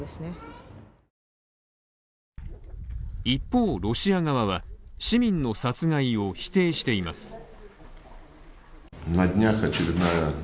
一方、ロシア側は市民の殺害を否定しています。